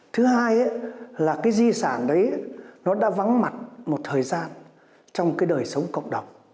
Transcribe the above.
thứ hai là cái di sản đấy nó đã vắng mặt một thời gian trong cái đời sống cộng đồng